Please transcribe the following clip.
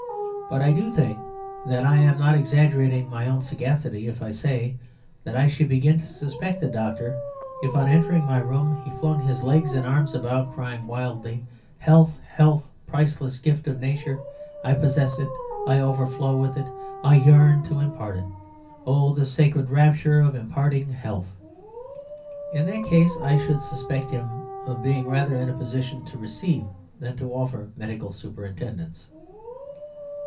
But I do think that I am not exaggerating my own sagacity if I say that I should begin to suspect the doctor if on entering my room he flung his legs and arms about, crying wildly, "Health! Health! priceless gift of Nature! I possess it! I overflow with it! I yearn to impart it! Oh, the sacred rapture of imparting health!" In that case I should suspect him of being rather in a position to receive than to offer medical superintendence.